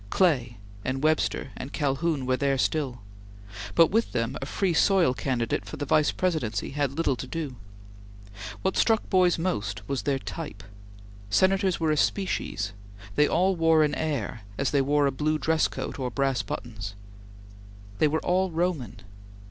Clay and Webster and Calhoun were there still, but with them a Free Soil candidate for the Vice Presidency had little to do; what struck boys most was their type. Senators were a species; they all wore an air, as they wore a blue dress coat or brass buttons; they were Roman.